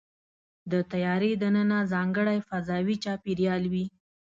د طیارې دننه ځانګړی فضاوي چاپېریال وي.